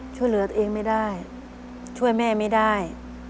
ช่วยเหลือตัวเองไม่ได้ช่วยแม่ไม่ได้